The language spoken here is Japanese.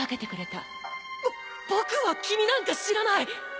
ぼ僕は君なんか知らない！